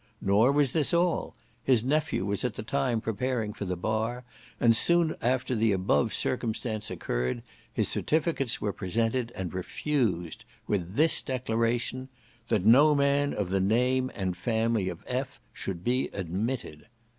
Nor was this all: his nephew was at the time preparing for the bar, and soon after the above circumstance occurred his certificates were presented, and refused, with this declaration, "that no man of the name and family of F. should be admitted."